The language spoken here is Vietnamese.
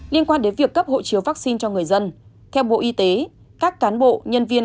liên quan đến việc cấp hộ chiếu vaccine cho người dân theo bộ y tế các cán bộ nhân viên